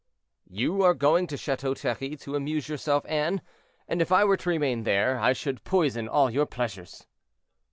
"You are going to Chateau Thierry to amuse yourself, Anne, and if I were to remain there I should poison all your pleasures."